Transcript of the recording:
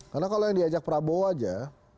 karena kalau yang diajak prabowo aja